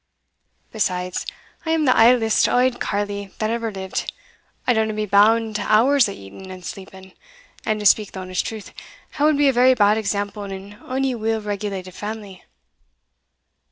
Besides, I am the idlest auld carle that ever lived; I downa be bound down to hours o' eating and sleeping; and, to speak the honest truth, I wad be a very bad example in ony weel regulated family."